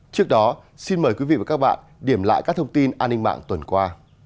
trước đó xin mời quý vị và các bạn điểm lại các thông tin an ninh mạng tuần qua